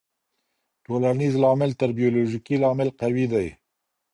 ټولنيز لامل تر بيولوژيکي لامل قوي دی.